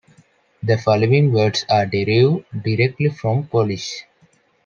The following words are derive directly from Polish.